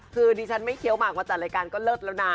คือดิฉันไม่เคี้ยวหมากมาจัดรายการก็เลิศแล้วนะ